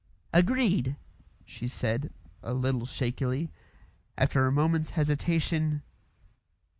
"Agreed," she said, a little shakily, after a moment's hesitation.